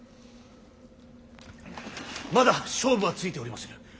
まだ勝負はついておりませぬ。